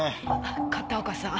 片岡さん。